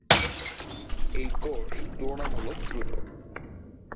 এই কোর্ট তুলনামূলক দ্রুত।